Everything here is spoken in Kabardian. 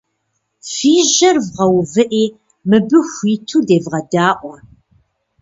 Фи жьэр вгъэувыӏи мыбы хуиту девгъэдаӏуэ.